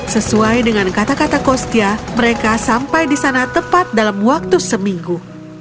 sesuai dengan kata kata kostia mereka sampai di sana tepat dalam waktu seminggu